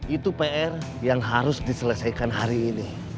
itu pr yang harus diselesaikan hari ini